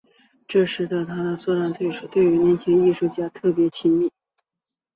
这使得他的作坊对于年轻的艺术家特别亲密。